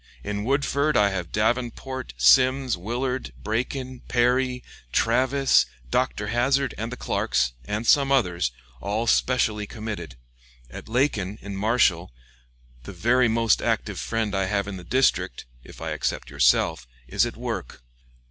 In Woodford I have Davenport, Simms, Willard, Braken, Perry, Travis, Dr. Hazzard, and the Clarks, and some others, all specially committed. At Lacon, in Marshall, the very most active friend I have in the district (if I except yourself) is at work.